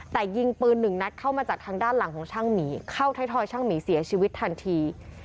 แต่ยิงปืนหนึ่งนัดเข้ามาจากทางด้านหลังของช่างหมีเข้าไทยทอยช่างหมีเสียชีวิตทันที